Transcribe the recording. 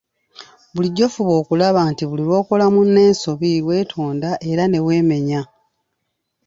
Bulijjo fuba okulaba nti buli lw'okola munno ensobi weetonda era neweemenya.